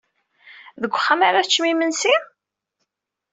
Deg uxxam ara teččemt imensi?